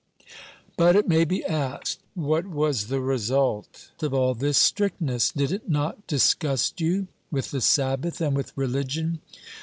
But, it may be asked, what was the result of all this strictness? Did it not disgust you with the Sabbath and with religion?